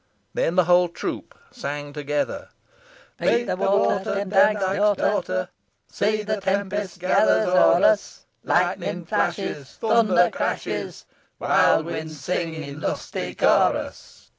Then the whole troop sang together "Beat the water, Demdike's daughter! See the tempests gathers o'er us, Lightning flashes thunder crashes, Wild winds sing in lusty chorus!"